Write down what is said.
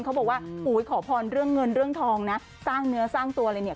เขาบอกว่าอุ้ยขอพรเรื่องเงินเรื่องทองนะสร้างเนื้อสร้างตัวเลยเนี่ย